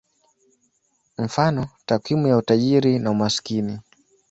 Mfano: takwimu ya utajiri na umaskini.